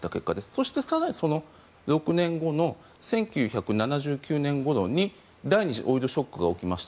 そして、更にその６年後の１９７９年ごろに第２次オイルショックが起きました。